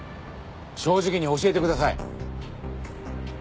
正直に教えてください。